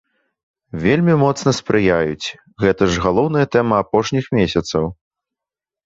Вельмі моцна спрыяюць, гэта ж галоўная тэма апошніх месяцаў.